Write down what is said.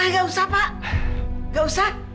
ah nggak usah pak nggak usah